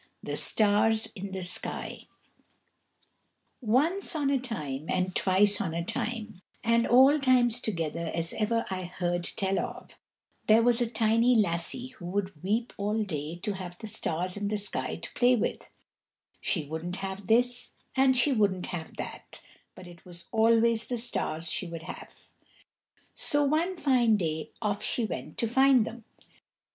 The Stars in the Sky Once on a time and twice on a time, and all times together as ever I heard tell of, there was a tiny lassie who would weep all day to have the stars in the sky to play with; she wouldn't have this, and she wouldn't have that, but it was always the stars she would have. So one fine day off she went to find them.